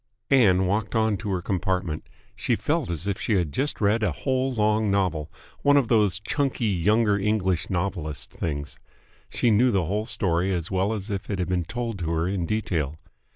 Ann walked on to her compartment. She felt as if she had just read a whole long novel, one of those chunky younger English novelist things. She knew the whole story as well as if it had been told to her in detail.